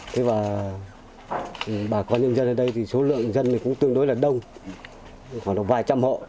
thế và bà con nhân dân ở đây thì số lượng dân cũng tương đối là đông khoảng vài trăm hộ